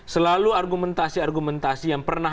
selalu argumentasi argumentasi yang pernah